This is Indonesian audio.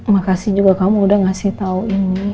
makasih juga kamu udah ngasih tau ini